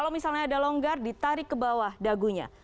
kalau misalnya ada longgar ditarik ke bawah dagunya